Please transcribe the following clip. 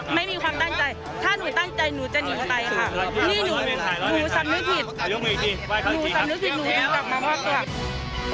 ไม่มีความตั้งใจถ้าหนูตั้งใจหนูจะหนีไปค่ะนี่หนูสำนึกผิดหนูสำนึกผิดหนูกลับมามอบตัว